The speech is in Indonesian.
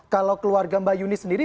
kalau keluarga mbak yuni sendiri